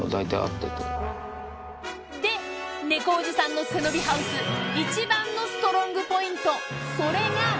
で、猫おじさんの背伸びハウス、一番のストロングポイント、それが。